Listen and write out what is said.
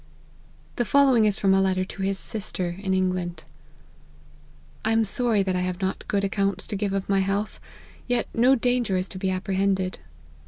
The following is from a letter to his sister, in England :" I am sorry that I have not good accounts to give of my health ; yet no danger is to be appre hended.